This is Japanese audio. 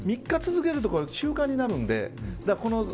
３日続けると習慣になるんで。